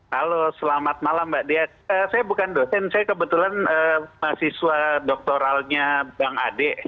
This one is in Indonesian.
halo selamat malam mbak dea saya bukan dosen saya kebetulan mahasiswa doktoralnya bang ade